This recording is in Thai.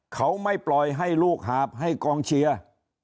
เขาไม่ปล่อยให้ลูกหาบให้กองเชียร์